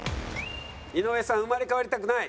井上さん生まれ変わりたくない。